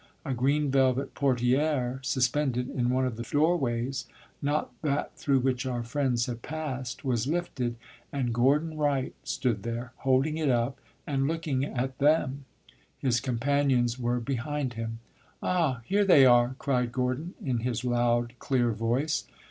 A green velvet portiere suspended in one of the door ways not that through which our friends had passed was lifted, and Gordon Wright stood there, holding it up, and looking at them. His companions were behind him. "Ah, here they are!" cried Gordon, in his loud, clear voice.